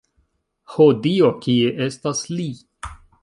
Ho, Dio, kie estas li?